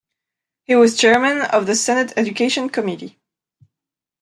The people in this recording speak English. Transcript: He was Chairman of the Senate Education Committee.